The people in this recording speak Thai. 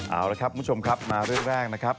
เอาละครับคุณผู้ชมครับมาเรื่องแรกนะครับ